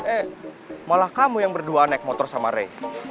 eh malah kamu yang berdua naik motor sama rei